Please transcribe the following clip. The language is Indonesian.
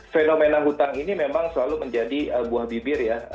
fenomena hutang ini memang selalu menjadi buah bibir ya